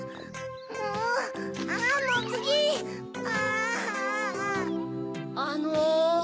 あの